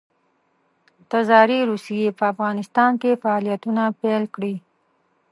تزاري روسیې په افغانستان کې فعالیتونه پیل کړي.